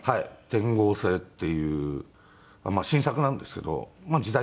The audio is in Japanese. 『天號星』っていう新作なんですけど時代劇で。